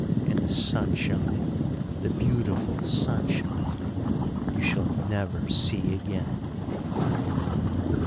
and the sunshine! the beautiful sunshine! you shall never see again."